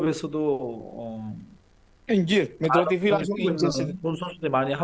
bapak sudah menentukan banyak tim afrika